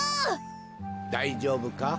だいじょうぶか？